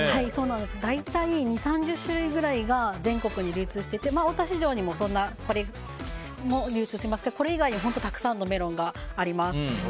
大体２０３０種類ぐらいが全国に流通してて大田市場にも流通していますがこれ以外にも本当にたくさんのメロンがあります。